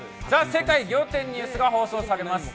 世界仰天ニュース』が放送されます。